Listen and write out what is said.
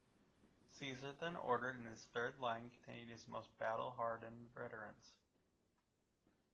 Caesar then ordered in his third line, containing his most battle-hardened veterans.